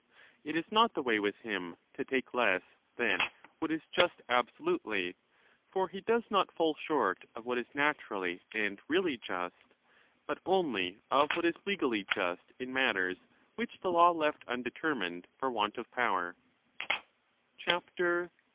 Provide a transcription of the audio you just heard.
It is not the way with him to take less than what is just absolutely ; for he does not fall short of what is naturally and really just, but only of what is legally just in matters which the law left undetermined for want of power.